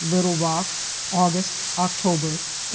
LITTLE ROCK. AUGUST OCTOBER, 1863.